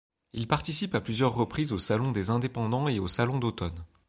Il participe à plusieurs reprises au Salon des indépendants et au Salon d'automne.